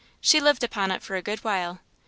She lived upon it for a good while. Mr.